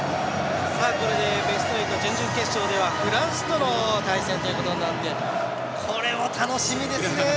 これでベスト８準々決勝ではフランスとの対決ということになってこれは楽しみですね。